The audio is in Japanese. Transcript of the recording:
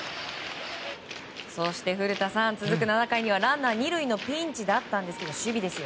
そして、古田さん続く７回にはランナー２塁のピンチだったんですが守備ですよ。